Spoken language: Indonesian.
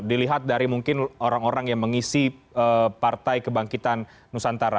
dilihat dari mungkin orang orang yang mengisi partai kebangkitan nusantara